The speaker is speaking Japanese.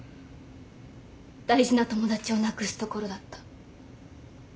大事な友達をなくすところだった。